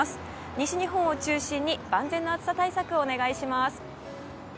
西日本中心に万全の暑さ対策をお願いします。